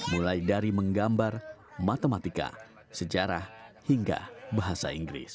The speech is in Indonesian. mulai dari menggambar matematika sejarah hingga bahasa inggris